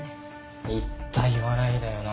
言った言わないだよな。